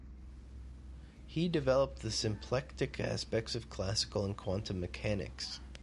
He developed the symplectic aspects of classical and quantum mechanics.